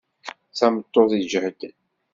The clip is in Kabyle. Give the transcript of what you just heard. D tameṭṭut iǧehden.